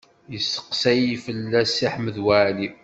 Yesteqsay fell-as Si Ḥmed Waɛli.